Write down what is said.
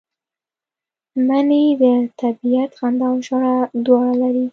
منی د طبیعت خندا او ژړا دواړه لري